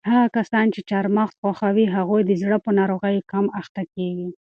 هغه کسان چې چهارمغز خوښوي هغوی د زړه په ناروغیو کم اخته کیږي.